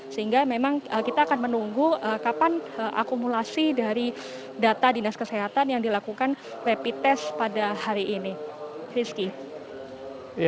sehingga memang kita akan menunggu kapan akumulasi dari data dinas kesehatan yang dilakukan rapid test pada hari ini